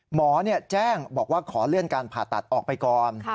หมอแจ้งบอกว่าขอเลื่อนการผ่าตัดออกไปก่อน